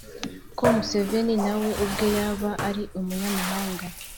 ko museveni na we ubwe yaba ari umunyamahanga.